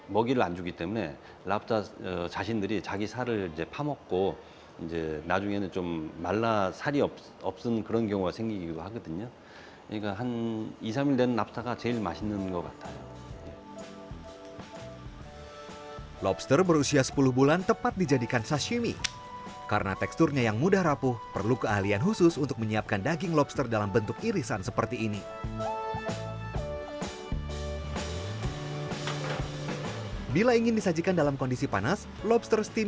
bila ingin disajikan dalam kondisi panas lobster steam